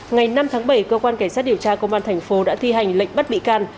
ngày năm tháng bảy cơ quan cảnh sát điều tra công an thành phố đã thi hành lệnh bắt bị can